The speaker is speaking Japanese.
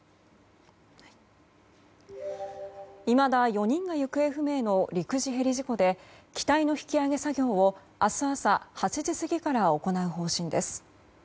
いまだ４人が行方不明の陸自ヘリ事故で機体の引き揚げ作業を明日朝８時過ぎから行う方針です。